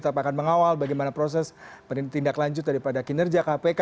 tetap akan mengawal bagaimana proses tindak lanjut daripada kinerja kpk